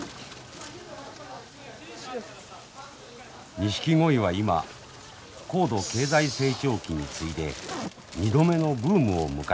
ニシキゴイは今高度経済成長期に次いで２度目のブームを迎えています。